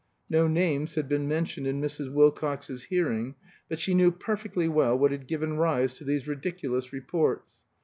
No names had been mentioned in Mrs. Wilcox's hearing, but she knew perfectly well what had given rise to these ridiculous reports.